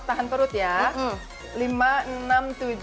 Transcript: tahan perut ya